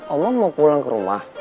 oman mau pulang ke rumah